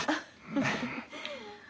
フフフ。